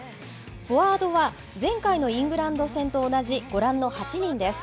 フォワードは、前回のイングランド戦と同じご覧の８人です。